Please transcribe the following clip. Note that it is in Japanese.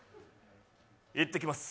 行ってきます。